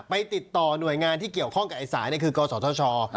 ไปติดต่อหน่วยงานที่เกี่ยวข้องกับไอ้สายคือกศธช